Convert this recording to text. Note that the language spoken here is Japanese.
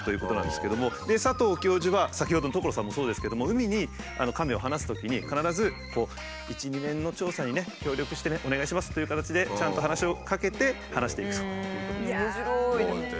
で佐藤教授は先ほどのトコロサンもそうですけども海にカメを放すときに必ず「１２年の調査にね協力してねお願いします」という形でちゃんと話しかけて放していくと。面白い！